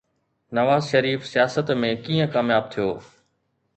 نواز شريف سياست ۾ ڪيئن ڪامياب ٿيو؟